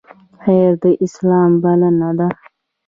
خیر د اسلام بلنه ده